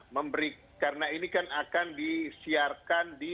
memberi karena ini kan akan disiarkan di